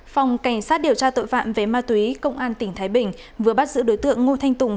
phòng cảnh sát điều tra tội phạm về ma túy công an tỉnh thái bình vừa bắt giữ đối tượng ngô thanh tùng